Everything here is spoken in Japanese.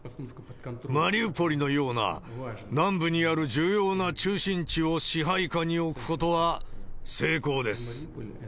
マリウポリのような、南部にある重要な中心地を支配下に置くことは成功です。